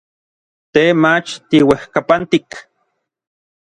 Te mach tiuejkapantik.